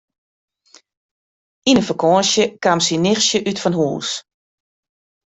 Yn de fakânsje kaam syn nichtsje útfanhûs.